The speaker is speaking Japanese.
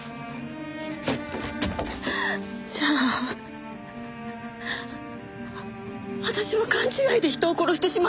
じゃあ私は勘違いで人を殺してしまったっていうの？